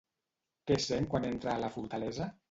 Què sent quan entra a la fortalesa?